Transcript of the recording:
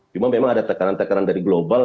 cuma memang ada tekanan tekanan dari global